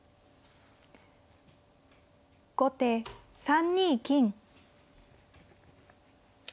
後手３二金。